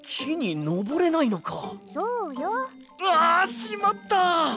わっしまった！